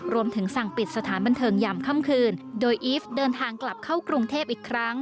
รวมถึงสั่งปิดสถานบันเทิงยามค่ำคืนโดยอีฟเดินทางกลับเข้ากรุงเทพอีกครั้ง